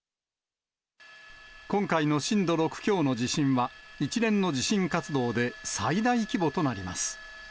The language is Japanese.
今回の震度６強の地震は、一連の地震活動で最大規模となります。